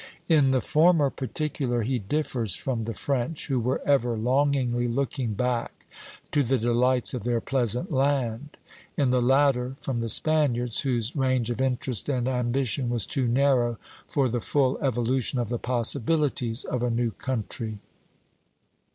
In the former particular he differs from the French, who were ever longingly looking back to the delights of their pleasant land; in the latter, from the Spaniards, whose range of interest and ambition was too narrow for the full evolution of the possibilities of a new country.